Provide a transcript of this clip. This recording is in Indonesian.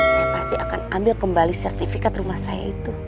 saya pasti akan ambil kembali sertifikat rumah saya itu